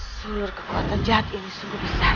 seluruh kekuatan jahat ini sungguh besar